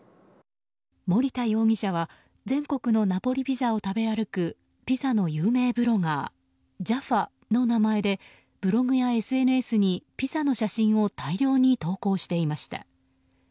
森田容疑者は全国のナポリピザを食べ歩くピザの有名ブロガーＪａｆｆａの名前でブログやＳＮＳにピザの写真を大量に投稿していました。